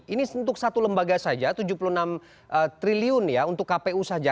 ini untuk satu lembaga saja rp tujuh puluh enam triliun ya untuk kpu saja